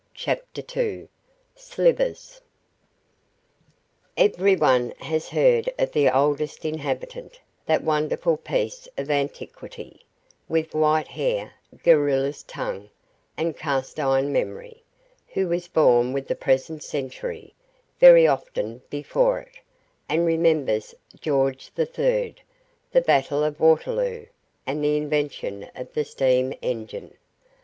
CHAPTER II SLIVERS Everyone has heard of the oldest inhabitant that wonderful piece of antiquity, with white hair, garrulous tongue, and cast iron memory, who was born with the present century very often before it and remembers George III, the Battle of Waterloo, and the invention of the steam engine.